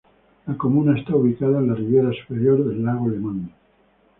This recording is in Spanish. La comuna está ubicada en la riviera superior del lago Lemán.